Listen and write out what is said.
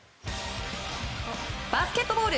バスケットボール！